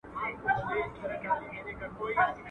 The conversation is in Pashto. د مارگير مرگ د ماره وي.